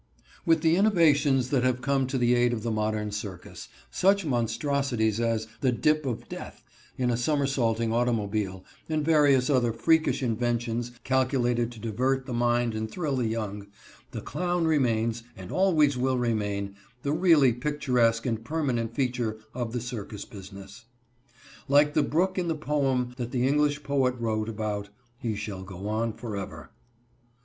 With all the innovations that have come to the aid of the modern circus, such monstrosities as "the dip of death" in a somersaulting automobile, and various other freakish inventions calculated to divert the mind and thrill the young, the clown remains, and always will remain, the really picturesque and permanent feature of the circus business. Like the brook in the poem that the English poet wrote about, he shall go on forever.